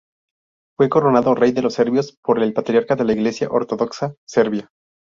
Fue coronado rey de los serbios por el Patriarca de la Iglesia ortodoxa serbia.